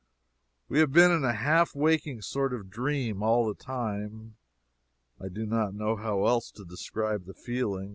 We have been in a half waking sort of dream all the time. I do not know how else to describe the feeling.